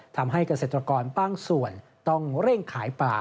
ทำให้เกษตรกรบางส่วนต้องเร่งขายปลา